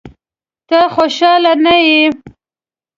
ته خوشاله نه یې؟